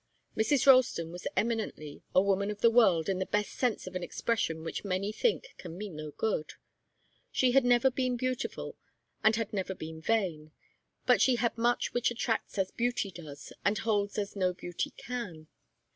Mrs. Ralston was eminently a woman of the world in the best sense of an expression which many think can mean no good. She had never been beautiful and had never been vain, but she had much which attracts as beauty does, and holds as no beauty can.